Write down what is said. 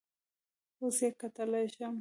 اوس یې کتلی شم؟